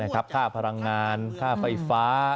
ค่าพลังงานค่าไฟฟ้า